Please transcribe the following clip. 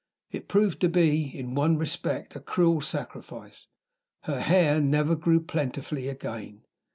It proved to be, in one respect, a cruel sacrifice her hair never grew plentifully again.